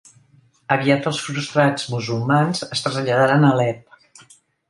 Aviat els frustrats musulmans es traslladaren a Alep.